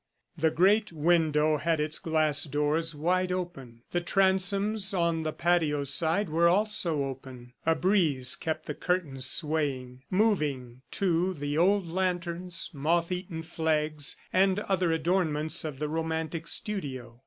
The great window had its glass doors wide open; the transoms on the patio side were also open; a breeze kept the curtains swaying, moving, too, the old lanterns, moth eaten flags and other adornments of the romantic studio.